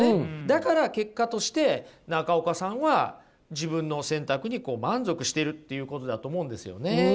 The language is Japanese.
だから結果として中岡さんは自分の選択にこう満足しているっていうことだと思うんですよね。